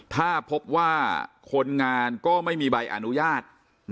ถ้าพบว่าคนงานก็ไม่มีใบอนุญาต